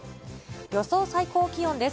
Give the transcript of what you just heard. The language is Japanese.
予想最高気温です。